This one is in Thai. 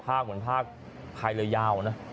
ภาคเหมือนภาคไพรยาวนะ